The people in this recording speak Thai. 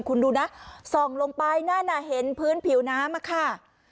คุณดูนะส่องลงไปนั่นน่ะเห็นพื้นผิวน้ำอะค่ะ